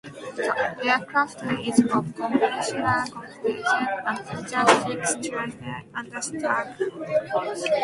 The aircraft is of conventional configuration and features fixed tricycle undercarriage.